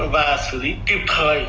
và xử lý kịp thời